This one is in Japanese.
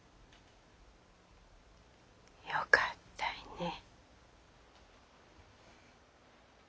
よかったいねぇ。